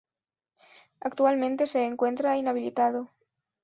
Actualmente se encuentra inhabilitado.